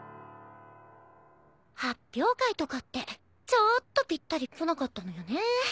発表会とかってちょーっとぴったりこなかったのよね。